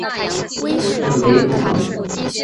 特雷普。